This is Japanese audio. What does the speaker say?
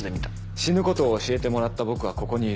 死ぬことを教えてもらった僕はここにいる。